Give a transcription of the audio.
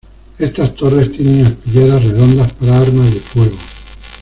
Estas torres tienen aspilleras redondas para armas de fuego.